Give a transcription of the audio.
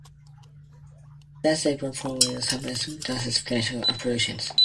Danske Bank, formerly Sampo Bank, is Danske Bank's Finnish operations.